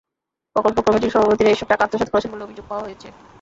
প্রকল্প কমিটির সভাপতিরা এসব টাকা আত্মসাৎ করেছেন বলে অভিযোগ পাওয়া হয়েছে।